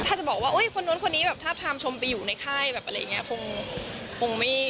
ถ้าจะบอกว่าคนนู้นคนนี้แบบทาบทามชมไปอยู่ในค่ายแบบอะไรอย่างนี้คงไม่